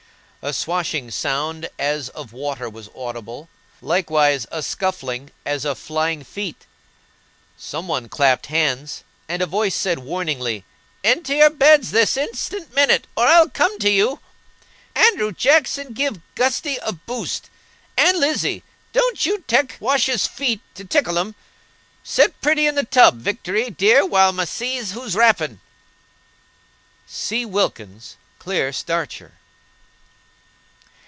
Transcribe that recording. A swashing sound as of water was audible, likewise a scuffling as of flying feet; some one clapped hands, and a voice said, warningly, "Into your beds this instant minute or I'll come to you! Andrew Jackson, give Gusty a boost; Ann Lizy, don't you tech Wash's feet to tickle 'em. Set pretty in the tub, Victory, dear, while ma sees who's rappin'." [Illustration: "C. WILKINS, CLEAR STARCHER."